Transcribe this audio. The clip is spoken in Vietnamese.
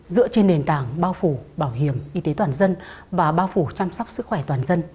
dựa trên nền tảng bao phủ bảo hiểm y tế toàn dân và bao phủ chăm sóc sức khỏe toàn dân